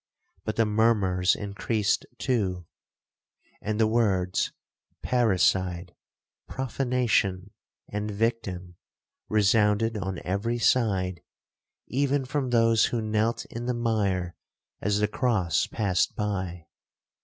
But the murmurs increased too, and the words, 'parricide, profanation, and victim,' resounded on every side, even from those who knelt in the mire as the cross passed by.